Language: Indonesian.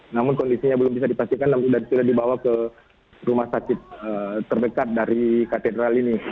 namun kondisinya belum bisa dipastikan dan sudah dibawa ke rumah sakit terdekat dari katedral ini